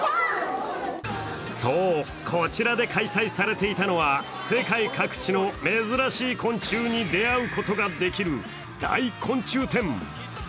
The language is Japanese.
そう、こちらで開催されていたのは世界各地の珍しい昆虫に出会うことができる大昆虫展。